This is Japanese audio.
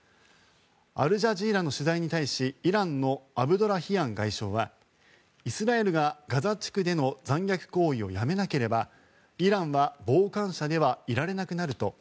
アルジャジーラの取材に対しイランのアブドラヒアン外相はイスラエルがガザ地区での残虐行為をやめなければイランは傍観者ではいられなくなると。